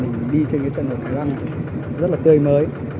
chúng tôi đi trên cái trận nổi thái văn rất là tươi mới